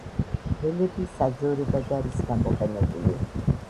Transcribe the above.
ველები საძოვრებად არის გამოყენებული.